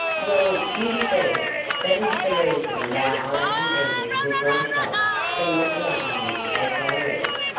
"Well, you see, that is the reason why I am angry with myself for not loving you as I ought.